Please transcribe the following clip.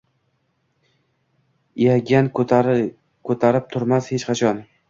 lagan koʼtarib turmas hech qachon